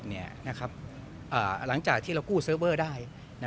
หลังจากที่เรากู้เซิร์ฟเวอร์ได้